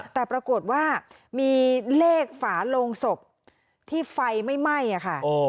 แต่ปรากฏว่ามีเลขฝาโลงศพที่ไฟไม่ไหม้ค่ะ